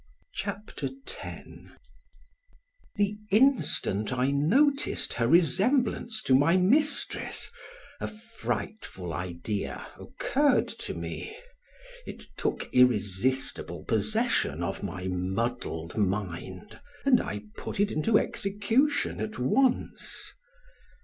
CHAPTER X THE instant I noticed her resemblance to my mistress a frightful idea occurred to me; it took irresistible possession of my muddled mind and I put it into execution at once.